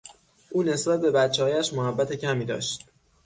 او نسبت به بچههایش محبت کمی داشت.